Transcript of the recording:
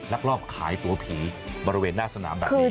ลักลอบขายตัวผีบริเวณหน้าสนามแบบนี้